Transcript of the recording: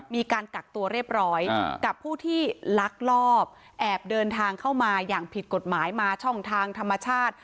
มีการกักตัวเรียบร้อยกับผู้ที่ลักลอบแอบเดินทางเข้ามาอย่างผิดกฎหมายมาช่องทางธรรมชาติ